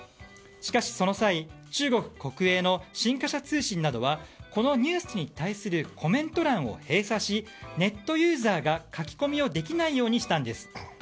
しかし、その際中国国営の新華社通信などはこのニュースに対するコメント欄を閉鎖しネットユーザーが書き込みをできないようにしたんです。